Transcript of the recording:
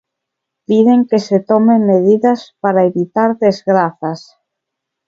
Piden que se tomen medidas para evitar desgrazas.